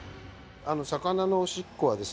魚のおしっこはですね